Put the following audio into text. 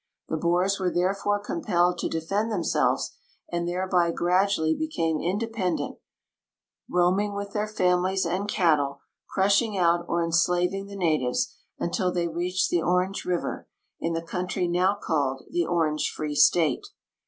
The Boers w'ere therefore compelled to defend themselves, and thereby gradually became independent, roaming with their families and cattle, crushing out or enslav ing the natives, until they reached the Orange river, in the country now called the Orange Free State.